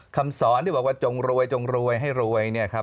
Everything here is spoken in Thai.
คำสอนที่บอกว่าจงรวยจงรวยให้รวย